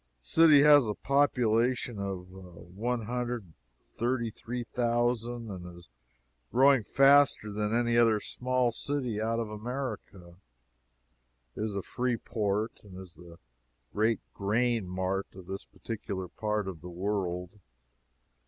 The city has a population of one hundred and thirty three thousand, and is growing faster than any other small city out of America. It is a free port, and is the great grain mart of this particular part of the world.